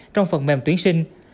trong phần mềm tuyển sinh